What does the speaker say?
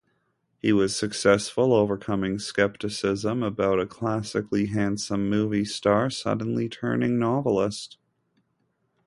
He was successful, overcoming skepticism about a classically handsome movie star suddenly turning novelist.